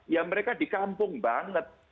ya mereka dikampung banget